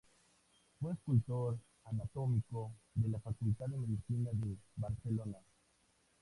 Fue escultor anatómico de la Facultad de Medicina de Barcelona.